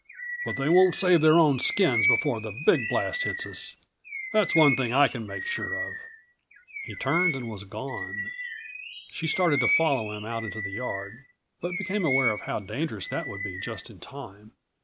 But they won't save their own skins before the big blast hits us. That's one thing I can make sure of." He turned and was gone. She started to follow him out into the yard, but became aware of how dangerous that would be just in time.